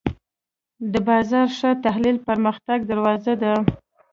د بازار ښه تحلیل د پرمختګ دروازه ده.